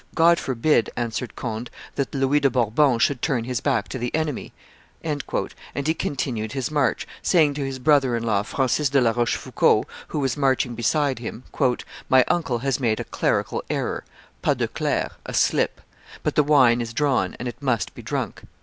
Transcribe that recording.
"God forbid," answered Conde, "that Louis de Bourbon should turn his back to the enemy!" and he continued his march, saying to his brother in law, Francis de la Rochefoucauld, who was marching beside him, "My uncle has made a 'clerical error' (pas de clerc, a slip); but the wine is drawn, and it must be drunk."